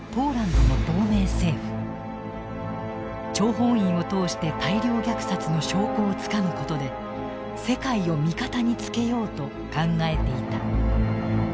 諜報員を通して大量虐殺の証拠をつかむことで世界を味方につけようと考えていた。